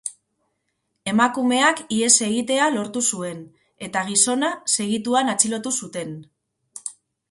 Emakumeak ihes egitea lortu zuen, eta gizona segituan atxilotu zuten.